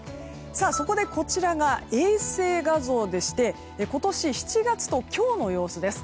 こちらが衛星画像でして今年７月と今日の様子です。